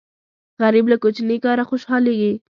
غریب له کوچني کاره خوشاليږي